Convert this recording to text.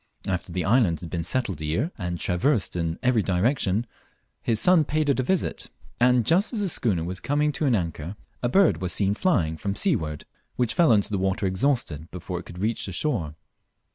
After the island had been settled a year, and traversed in every direction, his son paid it a visit; and just as the schooner was coming to an anchor, a bird was seen flying from seaward which fell into the water exhausted before it could reach the shore.